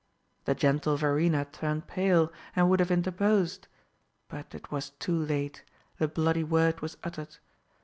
The gentle Verena turned pale, and would have interposed but it was too late, the bloody word was uttered.